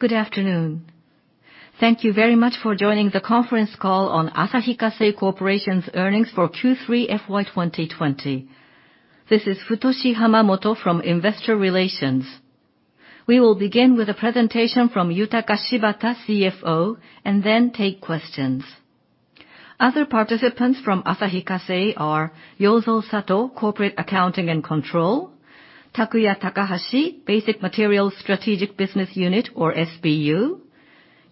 Good afternoon. Thank you very much for joining the conference call on Asahi Kasei Corporation's earnings for Q3 FY 2020. This is Futoshi Hamamoto from Investor Relations. We will begin with a presentation from Yutaka Shibata, CFO, and then take questions. Other participants from Asahi Kasei are Yozo Sato, Corporate Accounting & Finance, Takuya Takahashi, Basic Material Strategic Business Unit, or SBU,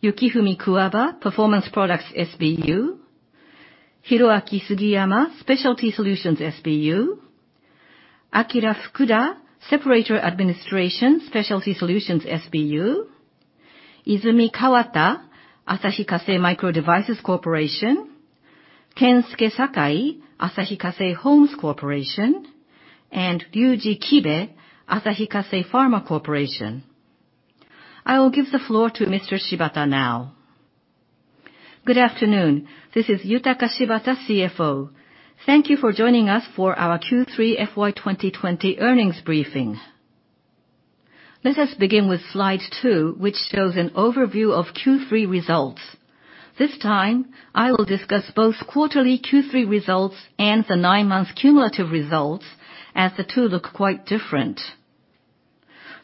Yukifumi Kuwaba, Performance Products SBU, Hiroaki Sugiyama, Specialty Solutions SBU, Akira Fukuda, Separator Administration, Specialty Solutions SBU, Izumi Kawata, Asahi Kasei Microdevices Corporation, Kensuke Sakai, Asahi Kasei Homes Corporation, and Ryuji Kibe, Asahi Kasei Pharma Corporation. I will give the floor to Mr. Shibata now. Good afternoon. This is Yutaka Shibata, CFO. Thank you for joining us for our Q3 FY 2020 earnings briefing. Let us begin with slide two, which shows an overview of Q3 results. This time, I will discuss both quarterly Q3 results and the nine-month cumulative results, as the two look quite different.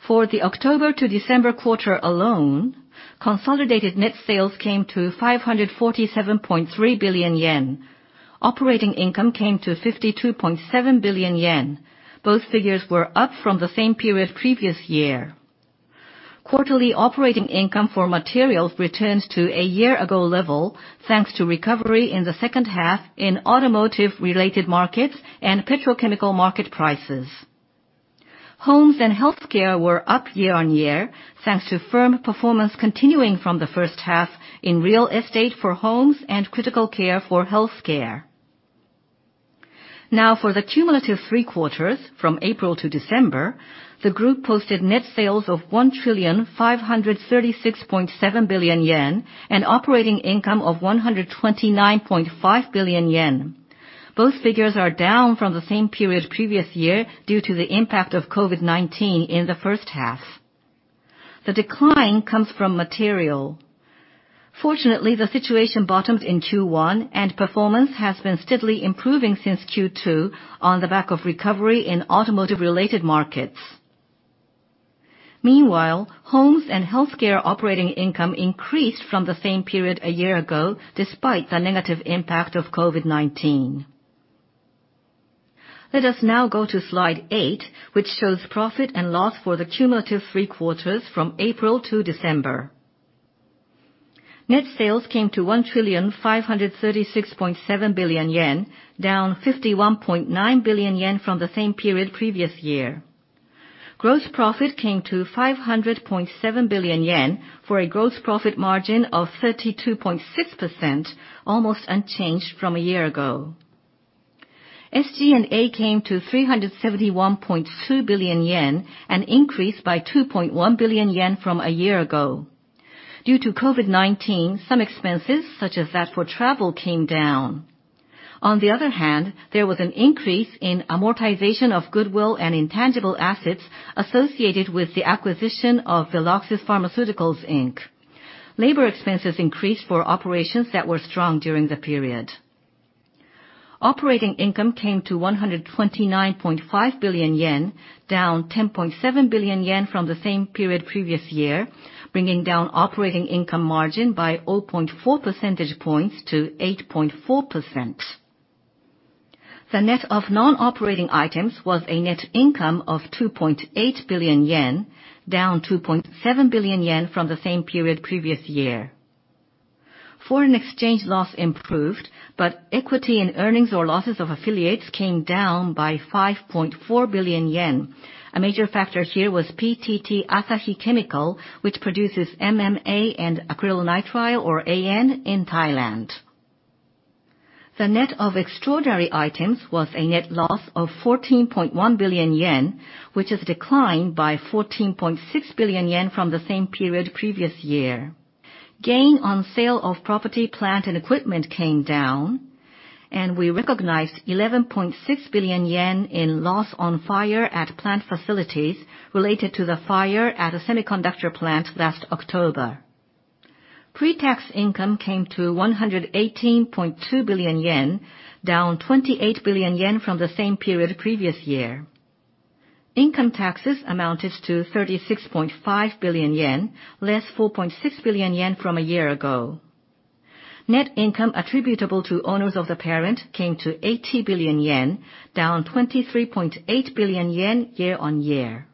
For the October to December quarter alone, consolidated net sales came to 547.3 billion yen. Operating income came to 52.7 billion yen. Both figures were up from the same period previous year. Quarterly operating income for materials returns to a year-ago level, thanks to recovery in the second half in automotive-related markets and petrochemical market prices. Homes and healthcare were up year-on-year, thanks to firm performance continuing from the first half in real estate for homes and critical care for healthcare. For the cumulative three quarters, from April to December, the group posted net sales of 1,536.7 billion yen and operating income of 129.5 billion yen. Both figures are down from the same period previous year due to the impact of COVID-19 in the first half. The decline comes from material. Fortunately, the situation bottomed in Q1, and performance has been steadily improving since Q2 on the back of recovery in automotive-related markets. Meanwhile, homes and healthcare operating income increased from the same period a year ago, despite the negative impact of COVID-19. Let us now go to slide eight, which shows profit and loss for the cumulative three quarters from April to December. Net sales came to 1,536.7 billion yen, down 51.9 billion yen from the same period the previous year. Gross profit came to 500.7 billion yen, for a gross profit margin of 32.6%, almost unchanged from a year ago. SG&A came to 371.2 billion yen, an increase by 2.1 billion yen from a year ago. Due to COVID-19, some expenses, such as that for travel, came down. On the other hand, there was an increase in amortization of goodwill and intangible assets associated with the acquisition of Veloxis Pharmaceuticals Inc. Labor expenses increased for operations that were strong during the period. Operating income came to ¥129.5 billion, down 10.7 billion yen from the same period the previous year, bringing down operating income margin by 0.4 percentage points to 8.4%. The net of non-operating items was a net income of ¥2.8 billion, down ¥2.7 billion from the same period the previous year. Foreign exchange loss improved, equity and earnings or losses of affiliates came down by ¥5.4 billion. A major factor here was PTT Asahi Chemical, which produces MMA and acrylonitrile, or AN, in Thailand. The net of extraordinary items was a net loss of ¥14.1 billion, which has declined by ¥14.6 billion from the same period the previous year. Gain on sale of property, plant, and equipment came down, and we recognized 11.6 billion yen in loss on fire at plant facilities related to the fire at a semiconductor plant last October. Pre-tax income came to 118.2 billion yen, down 28 billion yen from the same period the previous year. Income taxes amounted to 36.5 billion yen, less 4.6 billion yen from a year ago. Net income attributable to owners of the parent came to 80 billion yen, down 23.8 billion yen year-on-year.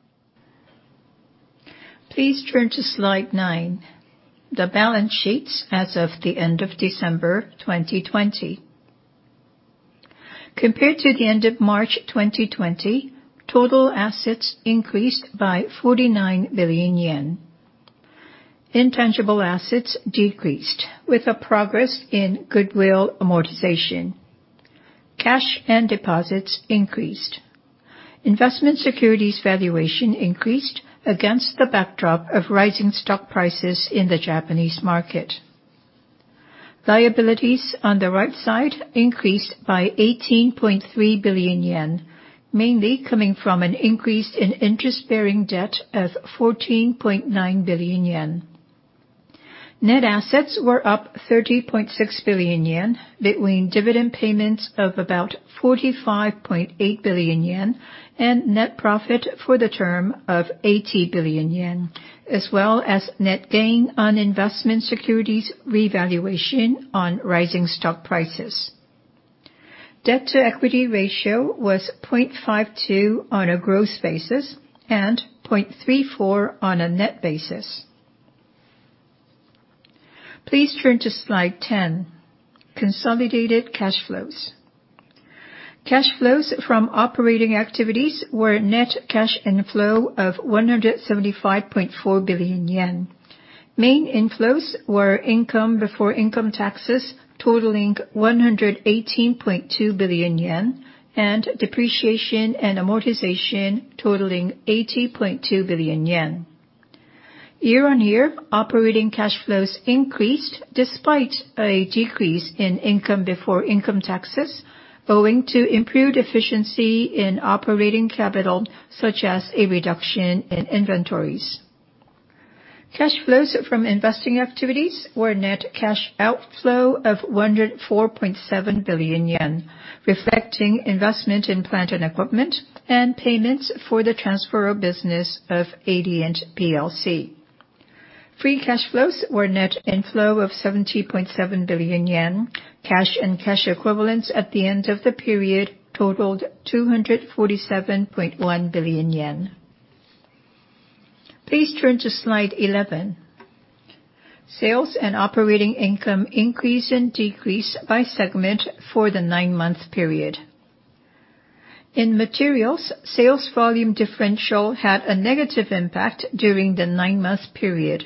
Please turn to slide nine, the balance sheets as of the end of December 2020. Compared to the end of March 2020, total assets increased by 49 billion yen. Intangible assets decreased with a progress in goodwill amortization. Cash and deposits increased. Investment securities valuation increased against the backdrop of rising stock prices in the Japanese market. Liabilities on the right side increased by 18.3 billion yen, mainly coming from an increase in interest-bearing debt of 14.9 billion yen. Net assets were up 30.6 billion yen between dividend payments of about 45.8 billion yen and net profit for the term of 80 billion yen, as well as net gain on investment securities revaluation on rising stock prices. Debt to equity ratio was 0.52 on a gross basis and 0.34 on a net basis. Please turn to slide 10, consolidated cash flows. Cash flows from operating activities were net cash inflow of 175.4 billion yen. Main inflows were income before income taxes totaling 118.2 billion yen and depreciation and amortization totaling 80.2 billion yen. Year- on- year, operating cash flows increased despite a decrease in income before income taxes owing to improved efficiency in operating capital, such as a reduction in inventories. Cash flows from investing activities were a net cash outflow of 104.7 billion yen, reflecting investment in plant and equipment and payments for the transfer of business of Adient plc. Free cash flows were a net inflow of 70.7 billion yen. Cash and cash equivalents at the end of the period totaled 247.1 billion yen. Please turn to slide 11. Sales and operating income increase and decrease by segment for the nine-month period. In materials, sales volume differential had a negative impact during the nine-month period,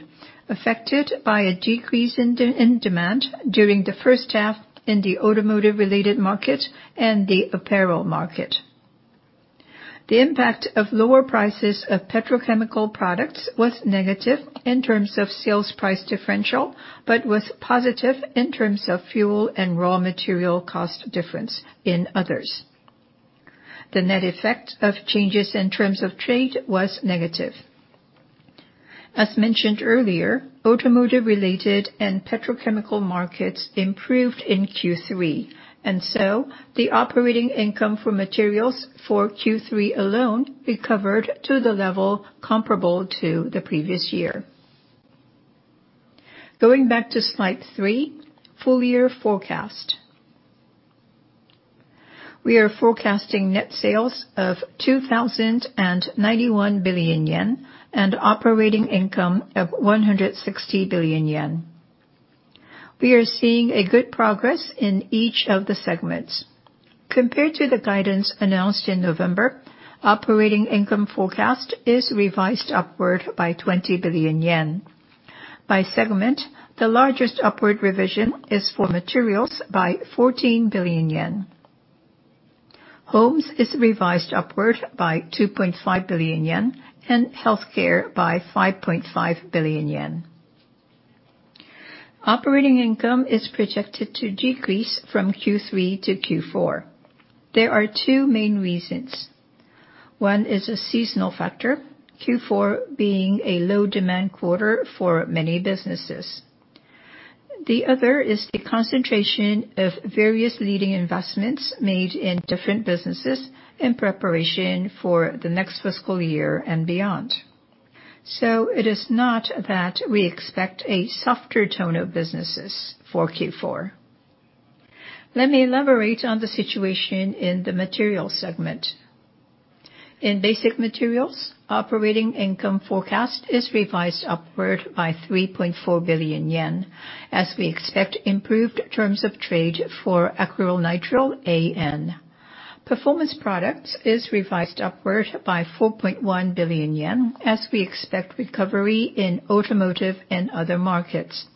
affected by a decrease in demand during the first half in the automotive related market and the apparel market. The impact of lower prices of petrochemical products was negative in terms of sales price differential but was positive in terms of fuel and raw material cost difference in others. The net effect of changes in terms of trade was negative. As mentioned earlier, automotive related and petrochemical markets improved in Q3. The operating income for Materials for Q3 alone recovered to the level comparable to the previous year. Going back to slide three, full- year forecast. We are forecasting net sales of 2,091 billion yen and operating income of 160 billion yen. We are seeing a good progress in each of the segments. Compared to the guidance announced in November, operating income forecast is revised upward by 20 billion yen. By segment, the largest upward revision is for Materials by 14 billion yen. Homes is revised upward by 2.5 billion yen and healthcare by 5.5 billion yen. Operating income is projected to decrease from Q3 to Q4. There are two main reasons. One is a seasonal factor, Q4 being a low demand quarter for many businesses. The other is the concentration of various leading investments made in different businesses in preparation for the next fiscal year and beyond, so it is not that we expect a softer tone of businesses for Q4. Let me elaborate on the situation in the materials segment. In Basic Materials, operating income forecast is revised upward by 3.4 billion yen as we expect improved terms of trade for acrylonitrile, AN. Performance Products is revised upward by 4.1 billion yen as we expect recovery in automotive and other markets.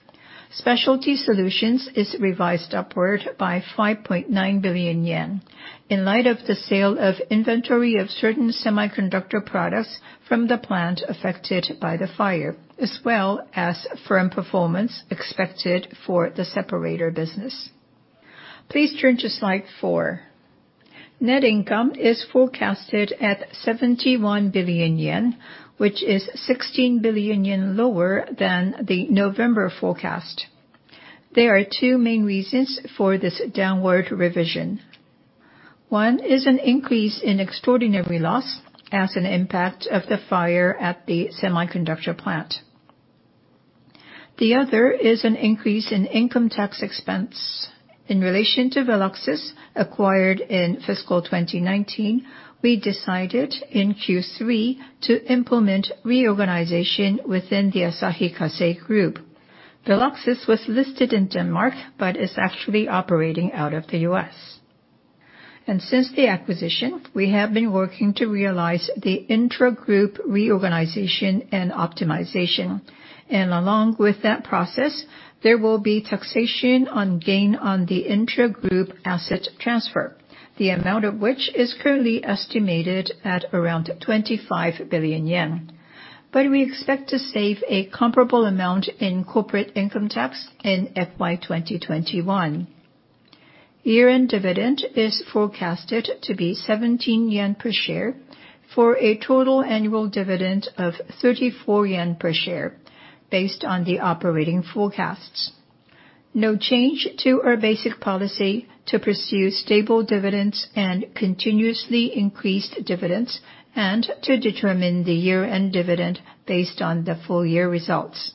Specialty Solutions is revised upward by 5.9 billion yen in light of the sale of inventory of certain semiconductor products from the plant affected by the fire, as well as firm performance expected for the separator business. Please turn to slide four. Net income is forecasted at 71 billion yen, which is 16 billion yen lower than the November forecast. There are two main reasons for this downward revision. One is an increase in extraordinary loss as an impact of the fire at the semiconductor plant. The other is an increase in income tax expense. In relation to Veloxis's acquired in fiscal 2019, we decided in Q3 to implement reorganization within the Asahi Kasei Group. Veloxis was listed in Denmark but is actually operating out of the U.S. Since the acquisition, we have been working to realize the intragroup reorganization and optimization. Along with that process, there will be taxation on gain on the intragroup asset transfer. The amount of which is currently estimated at around 25 billion yen. We expect to save a comparable amount in corporate income tax in FY 2021. Year-end dividend is forecasted to be 17 yen per share, for a total annual dividend of 34 yen per share, based on the operating forecasts. No change to our basic policy to pursue stable dividends and continuously increased dividends, and to determine the year-end dividend based on the full- year results.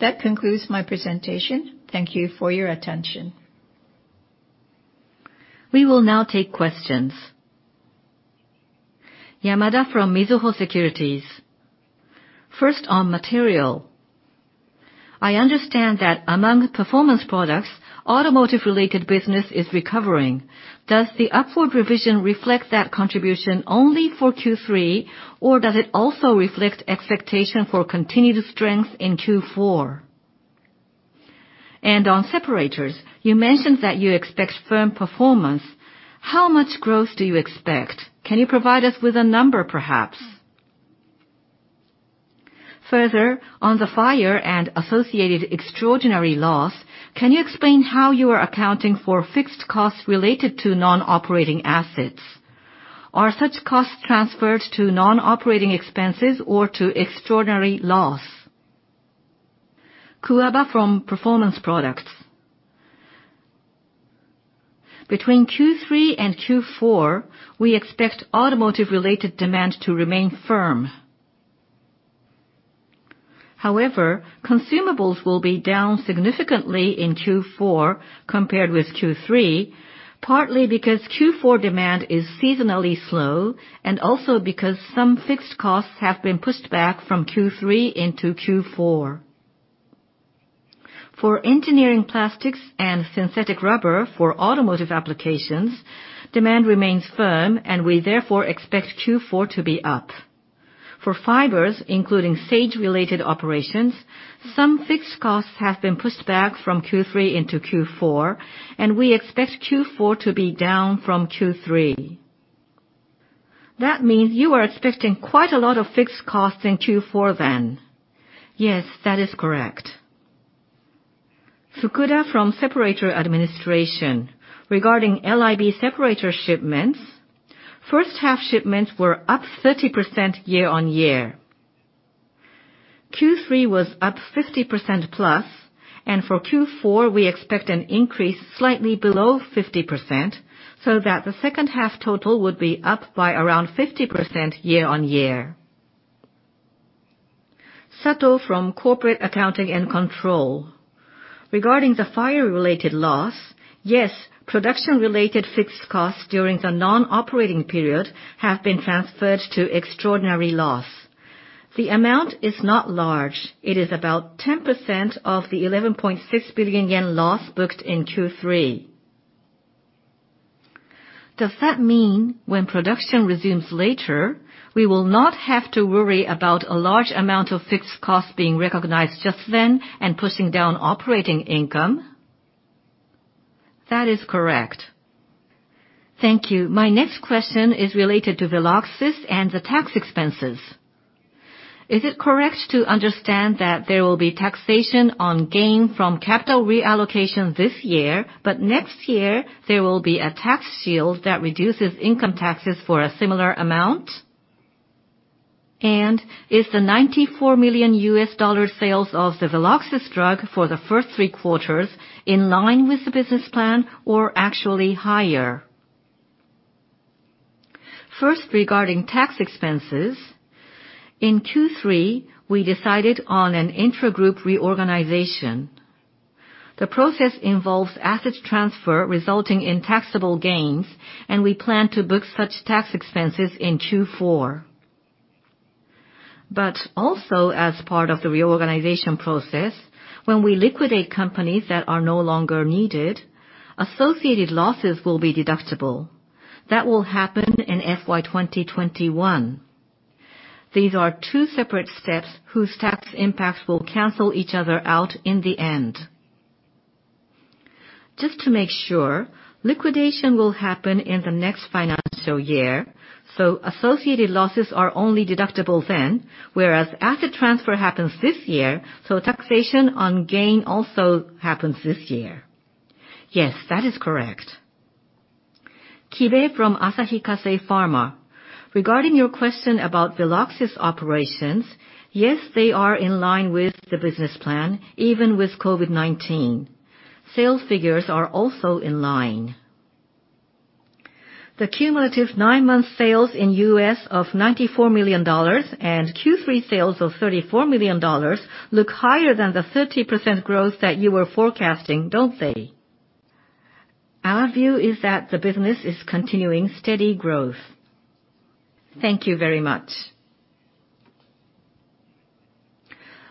That concludes my presentation. Thank you for your attention. We will now take questions. Yamada from Mizuho Securities. First on material. I understand that among performance products, automotive-related business is recovering. Does the upward revision reflect that contribution only for Q3, or does it also reflect expectation for continued strength in Q4? On separators, you mentioned that you expect firm performance. How much growth do you expect? Can you provide us with a number, perhaps? Further, on the fire and associated extraordinary loss, can you explain how you are accounting for fixed costs related to non-operating assets? Are such costs transferred to non-operating expenses or to extraordinary loss? Kuwaba from Performance Products. Between Q3 and Q4, we expect automotive related demand to remain firm. However, consumables will be down significantly in Q4 compared with Q3, partly because Q4 demand is seasonally slow, and also because some fixed costs have been pushed back from Q3 into Q4. For engineering plastics and synthetic rubber for automotive applications, demand remains firm and we therefore expect Q4 to be up. For fibers, including Sage related operations, some fixed costs have been pushed back from Q3 into Q4, and we expect Q4 to be down from Q3. That means you are expecting quite a lot of fixed costs in Q4 then. Yes, that is correct. Fukuda from Separator Administration. Regarding LIB separator shipments, first half shipments were up 30% year-on-year. Q3 was up 50% plus. For Q4, we expect an increase slightly below 50%, so that the second half total would be up by around 50% year-on-year. Sato from Corporate Accounting and Control. Regarding the fire related loss, yes, production related fixed costs during the non-operating period have been transferred to extraordinary loss. The amount is not large. It is about 10% of the 11.6 billion yen loss booked in Q3. Does that mean when production resumes later, we will not have to worry about a large amount of fixed costs being recognized just then and pushing down operating income? That is correct. Thank you. My next question is related to Veloxis and the tax expenses. Is it correct to understand that there will be taxation on gain from capital reallocation this year, but next year there will be a tax shield that reduces income taxes for a similar amount? Is the $94 million sales of the Veloxis drug for the first treequarters in line with the business plan, or actually higher? First, regarding tax expenses, in Q3, we decided on an intragroup reorganization. The process involves assets transfer resulting in taxable gains, and we plan to book such tax expenses in Q4. Also, as part of the reorganization process, when we liquidate companies that are no longer needed, associated losses will be deductible. That will happen in FY 2021. These are two separate steps whose tax impacts will cancel each other out in the end. Just to make sure, liquidation will happen in the next financial year. Associated losses are only deductible then, whereas asset transfer happens this year. Taxation on gain also happens this year. Yes, that is correct. Kibe from Asahi Kasei Pharma. Regarding your question about Veloxis operations, yes, they are in line with the business plan, even with COVID-19. Sales figures are also in line. The cumulative nine-month sales in U.S. of $94 million and Q3 sales of $34 million look higher than the 30% growth that you were forecasting, don't they? Our view is that the business is continuing steady growth. Thank you very much.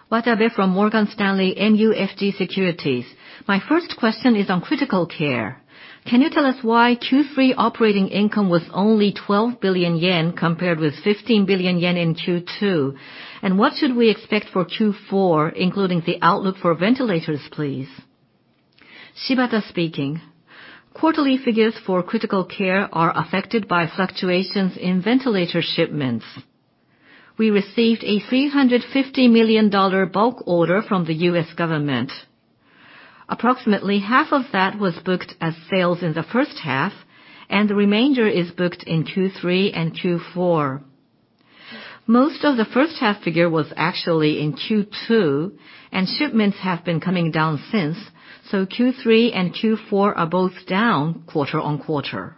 Watabe from Morgan Stanley MUFG Securities. My first question is on critical care. Can you tell us why Q3 operating income was only ¥12 billion compared with ¥15 billion in Q2? What should we expect for Q4, including the outlook for ventilators, please? Shibata speaking. Quarterly figures for critical care are affected by fluctuations in ventilator shipments. We received a $350 million bulk order from the U.S. government. Approximately half of that was booked as sales in the first half, the remainder is booked in Q3 and Q4. Most of the first half figure was actually in Q2, shipments have been coming down since, so Q3 and Q4 are both down quarter-on-quarter.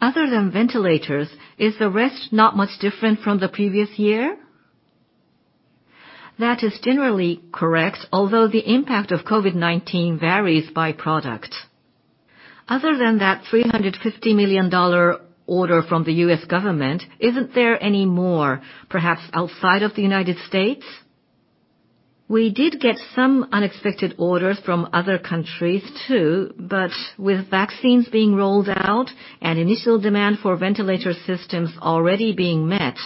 Other than ventilators, is the rest not much different from the previous year? That is generally correct, although the impact of COVID-19 varies by product. Other than that $350 million order from the U.S. government, isn't there any more, perhaps outside of the United States? We did get some unexpected orders from other countries too, but with vaccines being rolled out and initial demand for ventilator systems already being met,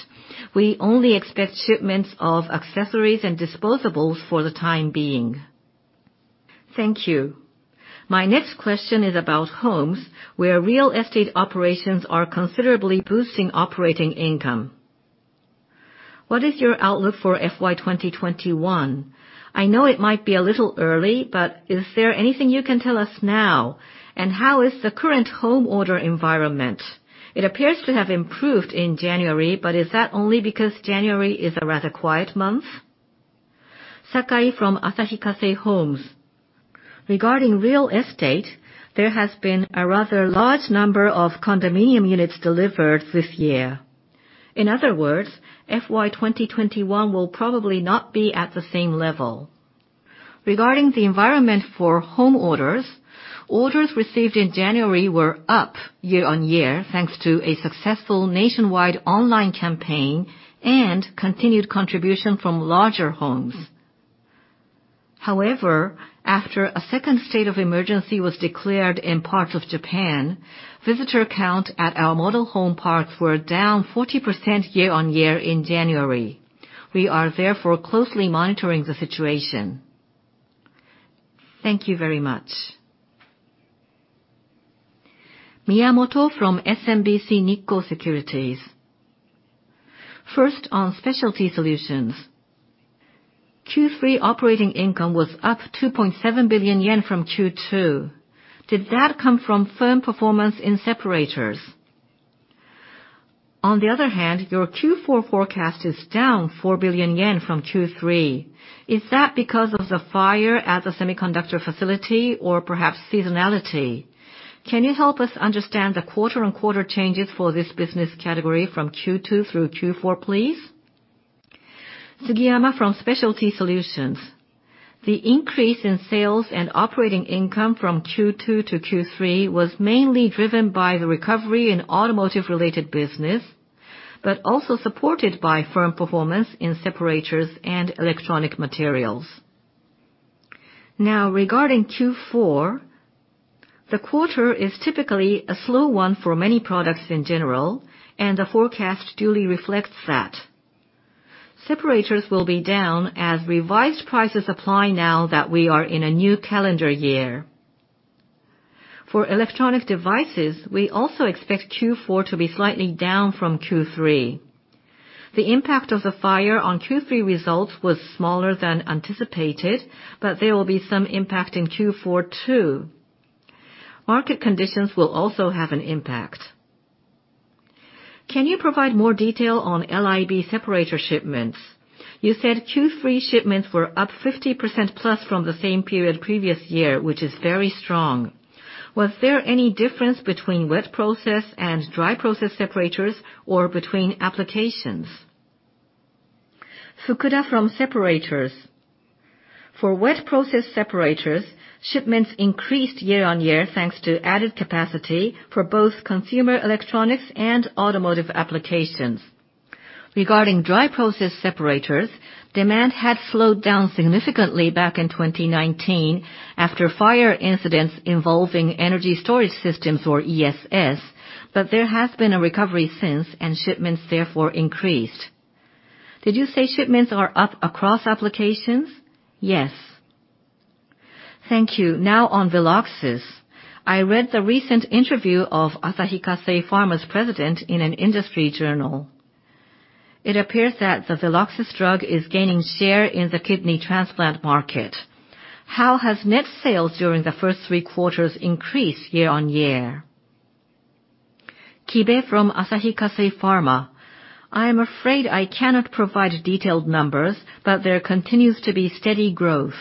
we only expect shipments of accessories and disposables for the time being. Thank you. My next question is about homes, where real estate operations are considerably boosting operating income. What is your outlook for FY 2021? I know it might be a little early, but is there anything you can tell us now? How is the current home order environment? It appears to have improved in January, but is that only because January is a rather quiet month? Sakai from Asahi Kasei Homes. Regarding real estate, there has been a rather large number of condominium units delivered this year. In other words, FY 2021 will probably not be at the same level. Regarding the environment for home orders received in January were up year-on-year, thanks to a successful nationwide online campaign and continued contribution from larger homes. However, after a second state of emergency was declared in parts of Japan, visitor count at our model home parks were down 40% year-on-year in January. We are therefore closely monitoring the situation. Thank you very much. Miyamoto from SMBC Nikko Securities. First, on Specialty Solutions. Q3 operating income was up 2.7 billion yen from Q2. Did that come from firm performance in separators? On the other hand, your Q4 forecast is down 4 billion yen from Q3. Is that because of the fire at the semiconductor facility or perhaps seasonality? Can you help us understand the quarter-on-quarter changes for this business category from Q2 through Q4, please? Sugiyama from Specialty Solutions. The increase in sales and operating income from Q2 to Q3 was mainly driven by the recovery in automotive related business, but also supported by firm performance in separators and electronic materials. Now, regarding Q4, the quarter is typically a slow one for many products in general. The forecast duly reflects that. Separators will be down as revised prices apply now that we are in a new calendar year. For electronic devices, we also expect Q4 to be slightly down from Q3. The impact of the fire on Q3 results was smaller than anticipated. There will be some impact in Q4 too. Market conditions will also have an impact. Can you provide more detail on LIB separator shipments? You said Q3 shipments were up 50% plus from the same period previous year, which is very strong. Was there any difference between wet process and dry process separators or between applications? Fukuda from Separators. For wet process separators, shipments increased year- on- year thanks to added capacity for both consumer electronics and automotive applications. Regarding dry process separators, demand had slowed down significantly back in 2019 after fire incidents involving energy storage systems, or ESS, but there has been a recovery since, and shipments therefore increased. Did you say shipments are up across applications? Yes. Thank you. Now on Veloxis. I read the recent interview of Asahi Kasei Pharma's president in an industry journal. It appears that the Veloxis drug is gaining share in the kidney transplant market. How has net sales during the first three quarters increased year- on -year? Kibe from Asahi Kasei Pharma. I am afraid I cannot provide detailed numbers, but there continues to be steady growth.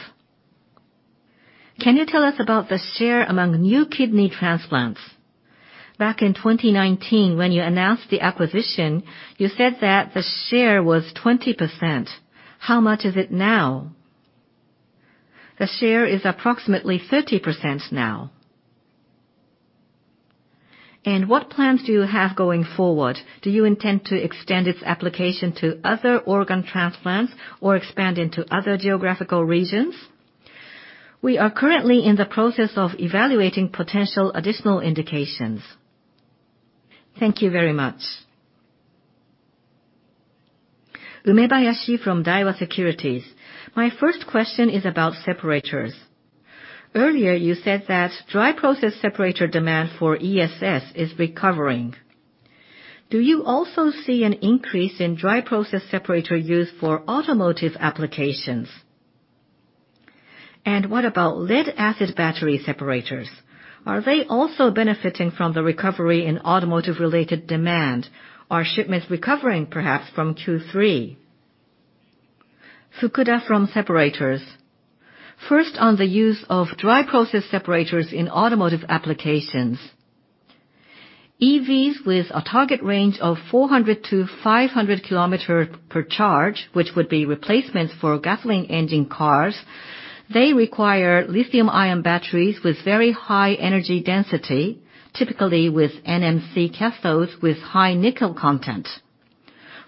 Can you tell us about the share among new kidney transplants? Back in 2019 when you announced the acquisition, you said that the share was 20%. How much is it now? The share is approximately 30% now. What plans do you have going forward? Do you intend to extend its application to other organ transplants or expand into other geographical regions? We are currently in the process of evaluating potential additional indications. Thank you very much. Umebayashi from Daiwa Securities. My first question is about separators. Earlier you said that dry process separator demand for ESS is recovering. Do you also see an increase in dry process separator used for automotive applications? What about lead-acid battery separators? Are they also benefiting from the recovery in automotive-related demand? Are shipments recovering perhaps from Q3? Fukuda from Separators. First, on the use of dry process separators in automotive applications. EVs with a target range of 400-500 km per charge, which would be replacements for gasoline engine cars, they require lithium-ion batteries with very high energy density, typically with NMC cathodes with high nickel content.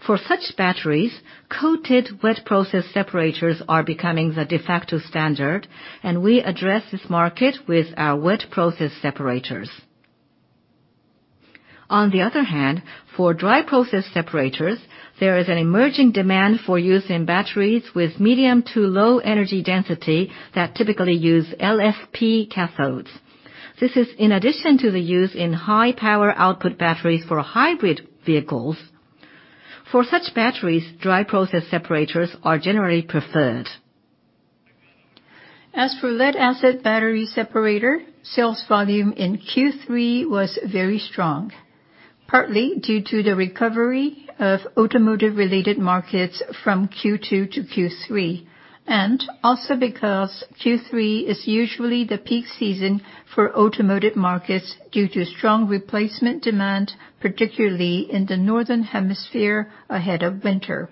For such batteries, coated wet process separators are becoming the de facto standard, and we address this market with our wet process separators. On the other hand, for dry process separators, there is an emerging demand for use in batteries with medium to low energy density that typically use LFP cathodes. This is in addition to the use in high power output batteries for hybrid vehicles. For such batteries, dry process separators are generally preferred. As for lead-acid battery separator, sales volume in Q3 was very strong, partly due to the recovery of automotive-related markets from Q2 to Q3, and also because Q3 is usually the peak season for automotive markets due to strong replacement demand, particularly in the northern hemisphere ahead of winter.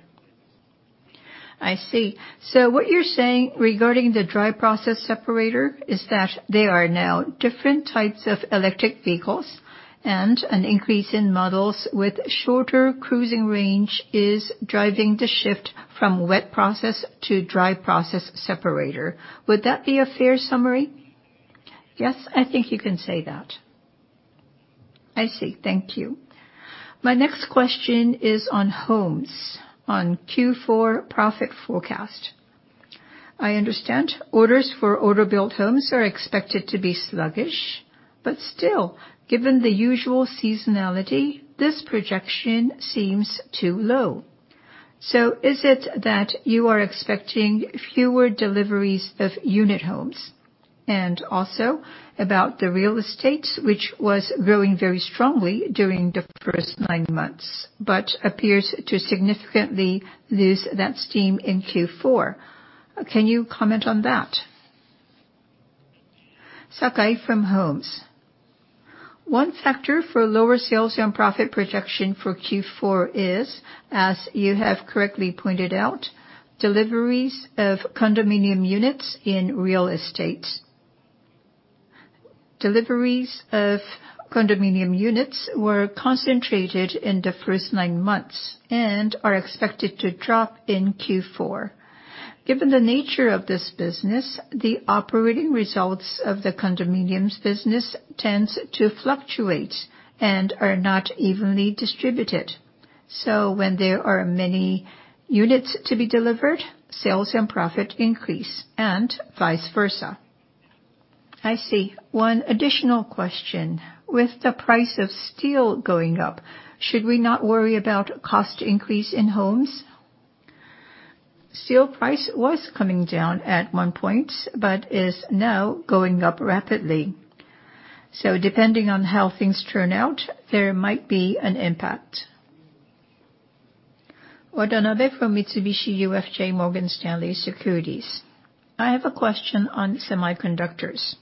I see. What you're saying regarding the dry process separator is that there are now different types of electric vehicles, and an increase in models with shorter cruising range is driving the shift from wet process to dry process separator. Would that be a fair summary? Yes, I think you can say that. I see. Thank you. My next question is on Homes, on Q4 profit forecast. I understand orders for order-built homes are expected to be sluggish, but still, given the usual seasonality, this projection seems too low. Is it that you are expecting fewer deliveries of unit homes? Also about the real estates, which was growing very strongly during the first nine months, but appears to significantly lose that steam in Q4. Can you comment on that? Sakai from Homes. One factor for lower sales and profit projection for Q4 is, as you have correctly pointed out, deliveries of condominium units in real estate. Deliveries of condominium units were concentrated in the first nine months and are expected to drop in Q4. Given the nature of this business, the operating results of the condominiums business tends to fluctuate and are not evenly distributed. When there are many units to be delivered, sales and profit increase, and vice versa. I see. One additional question. With the price of steel going up, should we not worry about cost increase in Homes? Steel price was coming down at one point, but is now going up rapidly. Depending on how things turn out, there might be an impact. Watanabe from Mitsubishi UFJ Morgan Stanley Securities. I have a question on semiconductors.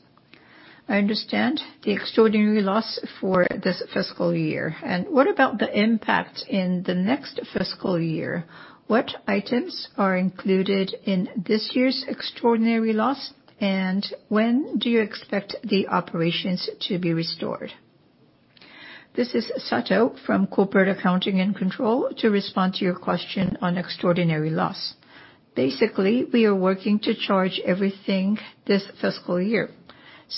I understand the extraordinary loss for this fiscal year. What about the impact in the next fiscal year? What items are included in this year's extraordinary loss, and when do you expect the operations to be restored? This is Sato from Corporate Accounting and Control to respond to your question on extraordinary loss. Basically, we are working to charge everything this fiscal year.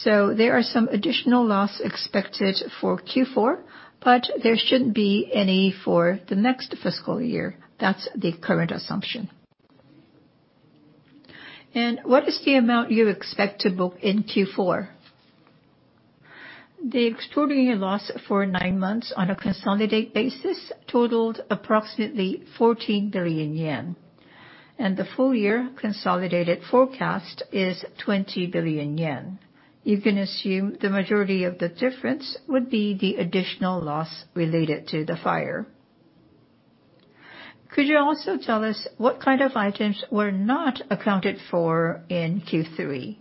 There are some additional loss expected for Q4, but there shouldn't be any for the next fiscal year. That's the current assumption. What is the amount you expect to book in Q4? The extraordinary loss for nine months on a consolidated basis totaled approximately 14 billion yen, and the full- year consolidated forecast is 20 billion yen. You can assume the majority of the difference would be the additional loss related to the fire. Could you also tell us what kind of items were not accounted for in Q3?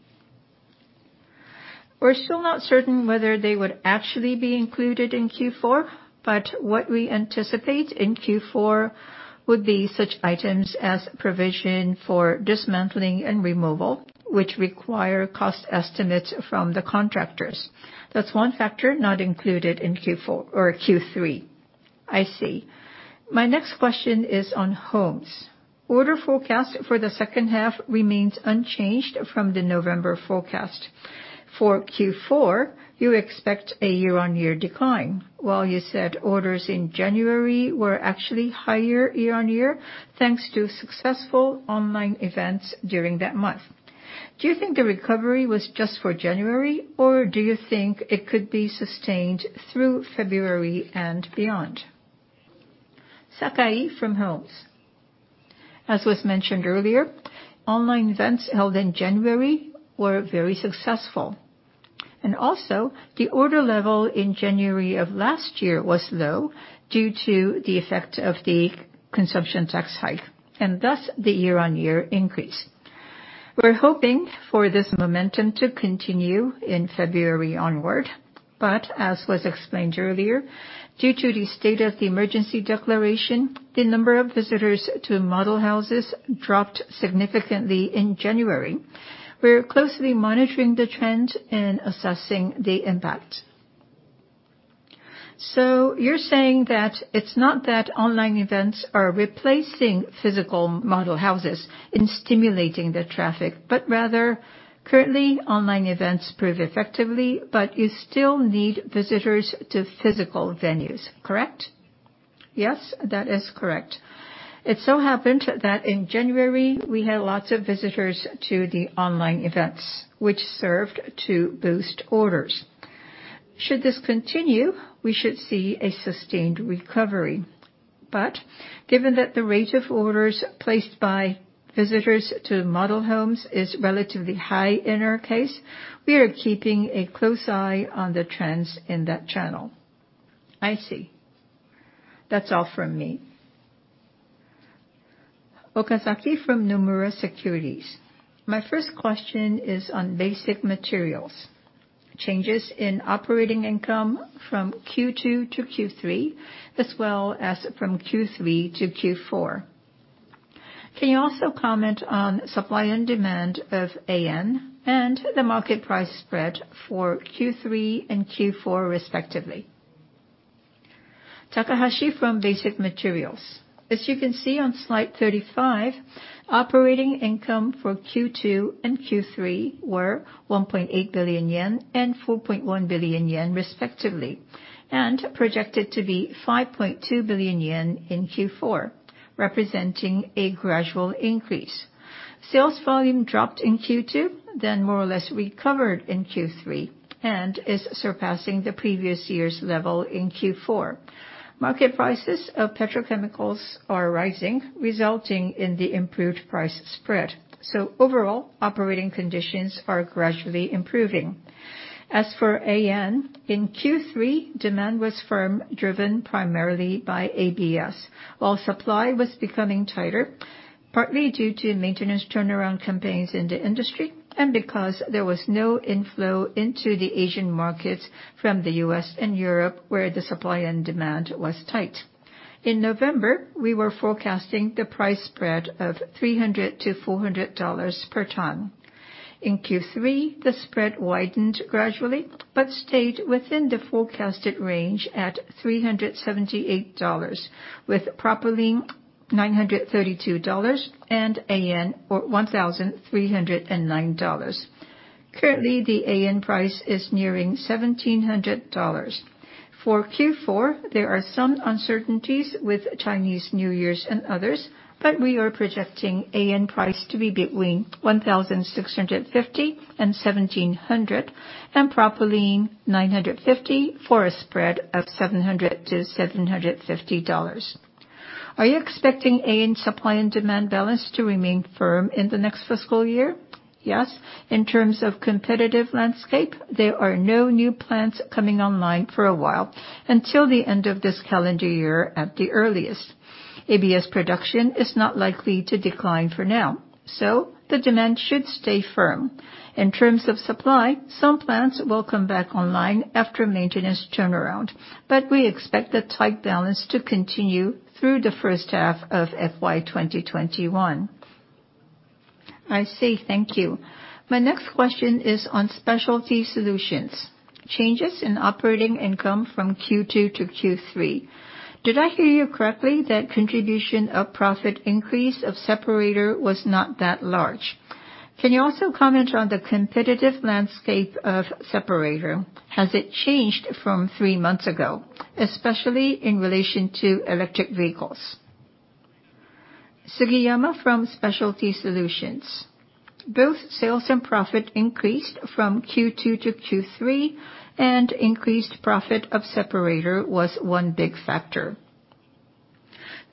We're still not certain whether they would actually be included in Q4, but what we anticipate in Q4 would be such items as provision for dismantling and removal, which require cost estimates from the contractors. That's one factor not included in Q4 or Q3. I see. My next question is on Homes. Order forecast for the second half remains unchanged from the November forecast. For Q4, you expect a year-on-year decline, while you said orders in January were actually higher year-on-year, thanks to successful online events during that month. Do you think the recovery was just for January, or do you think it could be sustained through February and beyond? Sakai from Homes. As was mentioned earlier, online events held in January were very successful. Also, the order level in January of last year was low due to the effect of the consumption tax hike, and thus, the year-on-year increase. We're hoping for this momentum to continue in February onward. As was explained earlier, due to the state of the emergency declaration, the number of visitors to model houses dropped significantly in January. We are closely monitoring the trend and assessing the impact. You're saying that it's not that online events are replacing physical model homes in stimulating the traffic, but rather currently, online events prove effective, but you still need visitors to physical venues, correct? Yes, that is correct. It so happened that in January we had lots of visitors to the online events, which served to boost orders. Should this continue, we should see a sustained recovery. Given that the rate of orders placed by visitors to model homes is relatively high in our case, we are keeping a close eye on the trends in that channel. I see. That's all from me. Okazaki from Nomura Securities. My first question is on basic materials. Changes in operating income from Q2 to Q3, as well as from Q3 to Q4. Can you also comment on supply and demand of AN and the market price spread for Q3 and Q4 respectively? As you can see on slide 35, operating income for Q2 and Q3 were 1.8 billion yen and 4.1 billion yen, respectively, and projected to be 5.2 billion yen in Q4, representing a gradual increase. Sales volume dropped in Q2, more or less recovered in Q3, is surpassing the previous year's level in Q4. Market prices of petrochemicals are rising, resulting in the improved price spread. Overall, operating conditions are gradually improving. As for AN, in Q3, demand was firm, driven primarily by ABS. While supply was becoming tighter, partly due to maintenance turnaround campaigns in the industry, because there was no inflow into the Asian markets from the U.S. and Europe where the supply and demand was tight. In November, we were forecasting the price spread of $300-$400 per ton. In Q3, the spread widened gradually, but stayed within the forecasted range at JPY 378, with propylene JPY 932 and AN for JPY 1,309. Currently, the AN price is nearing JPY 1,700. For Q4, there are some uncertainties with Chinese New Years and others, but we are projecting AN price to be between 1,650 and 1,700, and propylene 950 for a spread of 700 to JPY 750. Are you expecting AN supply and demand balance to remain firm in the next fiscal year? Yes. In terms of competitive landscape, there are no new plants coming online for a while, until the end of this calendar year at the earliest. ABS production is not likely to decline for now, so the demand should stay firm. In terms of supply, some plants will come back online after maintenance turnaround, but we expect that tight balance to continue through the first half of FY 2021. I see. Thank you. My next question is on Specialty Solutions. Changes in operating income from Q2 to Q3. Did I hear you correctly that contribution of profit increase of separator was not that large? Can you also comment on the competitive landscape of separator? Has it changed from three months ago, especially in relation to electric vehicles? Sugiyama from Specialty Solutions. Both sales and profit increased from Q2 to Q3, and increased profit of separator was one big factor.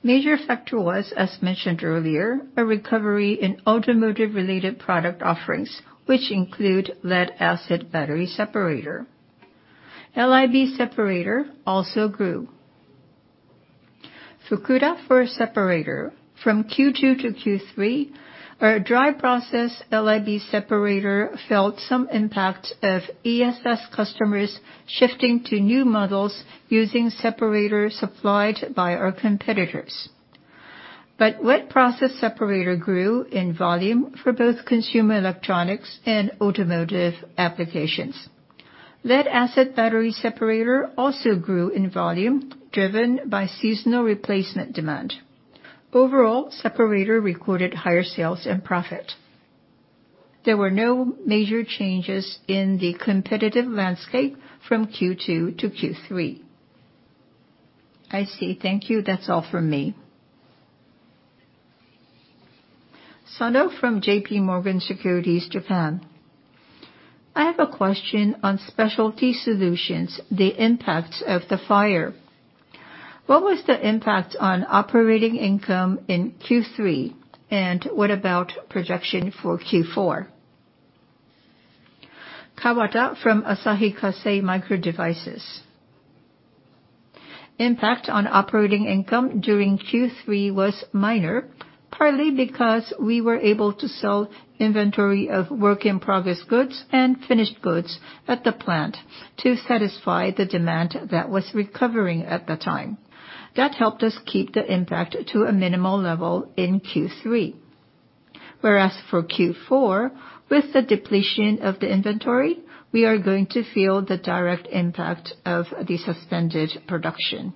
Major factor was, as mentioned earlier, a recovery in automotive-related product offerings, which include lead-acid battery separator. LIB separator also grew. Fukuda for separator. From Q2 to Q3, our dry process LIB separator felt some impact of ESS customers shifting to new models using separators supplied by our competitors. Wet process separator grew in volume for both consumer electronics and automotive applications. Lead acid battery separator also grew in volume driven by seasonal replacement demand. Overall, separator recorded higher sales and profit. There were no major changes in the competitive landscape from Q2 to Q3. I see. Thank you. That's all from me. Sano from JPMorgan Securities Japan. I have a question on Specialty Solutions, the impact of the fire. What was the impact on operating income in Q3, and what about projection for Q4? Kawata from Asahi Kasei Microdevices. Impact on operating income during Q3 was minor, partly because we were able to sell inventory of work in progress goods and finished goods at the plant to satisfy the demand that was recovering at the time. That helped us keep the impact to a minimal level in Q3. For Q4, with the depletion of the inventory, we are going to feel the direct impact of the suspended production.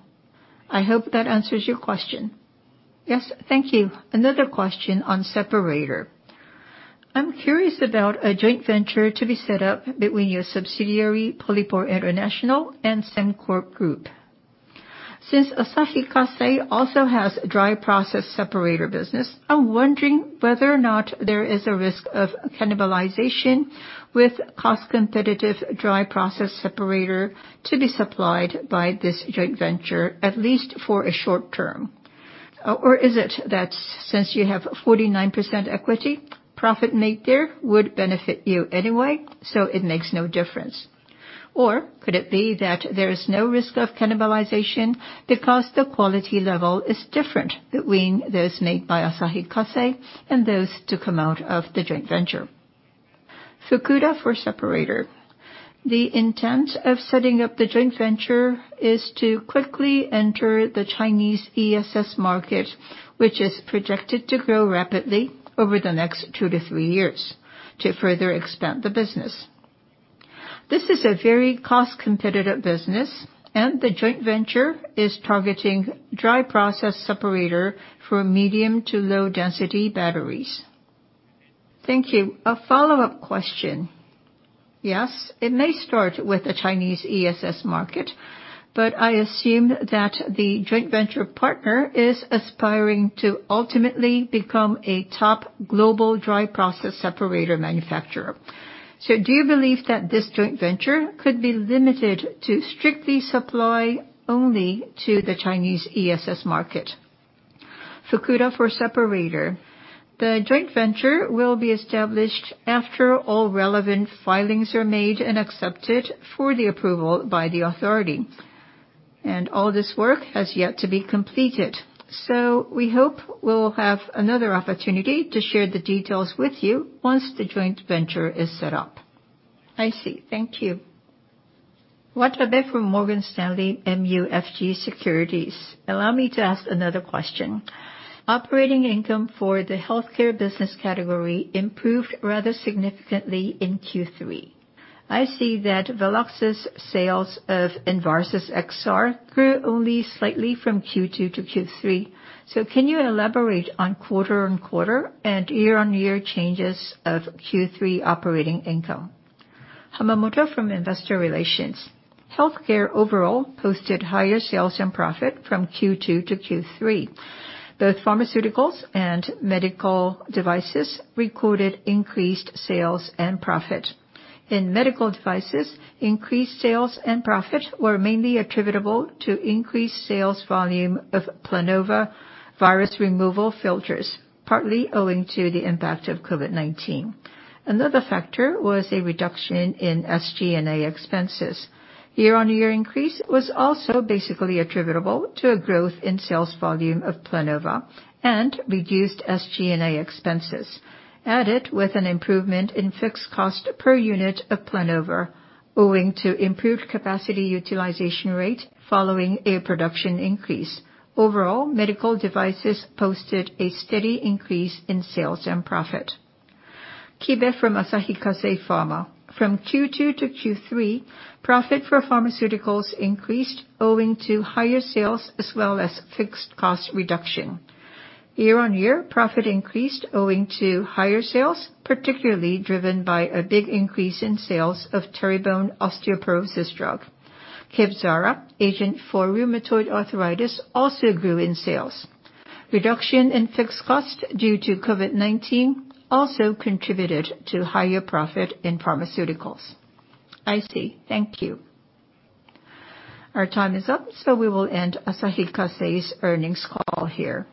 I hope that answers your question. Yes, thank you. Another question on separator. I'm curious about a joint venture to be set up between your subsidiary, Polypore International, and SEMCORP Group. Since Asahi Kasei also has dry process separator business, I'm wondering whether or not there is a risk of cannibalization with cost-competitive dry process separator to be supplied by this joint venture, at least for a short- term. Is it that since you have 49% equity, profit made there would benefit you anyway, so it makes no difference? Could it be that there is no risk of cannibalization because the quality level is different between those made by Asahi Kasei and those to come out of the joint venture? Fukuda for separator. The intent of setting up the joint venture is to quickly enter the Chinese ESS market, which is projected to grow rapidly over the next two to three years to further expand the business. This is a very cost-competitive business, and the joint venture is targeting dry process separator for medium to low-density batteries. Thank you. A follow-up question. Yes. It may start with the Chinese ESS market, but I assume that the joint venture partner is aspiring to ultimately become a top global dry process separator manufacturer. Do you believe that this joint venture could be limited to strictly supply only to the Chinese ESS market? Fukuda for separator. The joint venture will be established after all relevant filings are made and accepted for the approval by the authority. All this work has yet to be completed. We hope we'll have another opportunity to share the details with you once the joint venture is set up. I see. Thank you. Watabe from Morgan Stanley MUFG Securities. Allow me to ask another question. Operating income for the healthcare business category improved rather significantly in Q3. I see that Veloxis' sales of ENVARSUS XR grew only slightly from Q2 to Q3. Can you elaborate on quarter-on-quarter and year-on-year changes of Q3 operating income? Hamamoto from Investor Relations. Healthcare overall posted higher sales and profit from Q2 to Q3. Both pharmaceuticals and medical devices recorded increased sales and profit. In medical devices, increased sales and profit were mainly attributable to increased sales volume of Planova virus removal filters, partly owing to the impact of COVID-19. Another factor was a reduction in SG&A expenses. Year-on-year increase was also basically attributable to a growth in sales volume of Planova and reduced SG&A expenses, added with an improvement in fixed cost per unit of Planova owing to improved capacity utilization rate following a production increase. Overall, medical devices posted a steady increase in sales and profit. Kibe from Asahi Kasei Pharma. From Q2 to Q3, profit for pharmaceuticals increased owing to higher sales as well as fixed cost reduction. Year-on-year, profit increased owing to higher sales, particularly driven by a big increase in sales of Teribone osteoporosis drug. KEVZARA, agent for rheumatoid arthritis, also grew in sales. Reduction in fixed cost due to COVID-19 also contributed to higher profit in pharmaceuticals. I see. Thank you. Our time is up, we will end Asahi Kasei's earnings call here